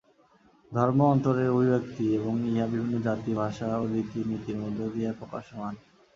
ধর্ম অন্তরের অভিব্যক্তি এবং ইহা বিভিন্ন জাতি, ভাষা ও রীতি-নীতির মধ্য দিয়া প্রকাশমান।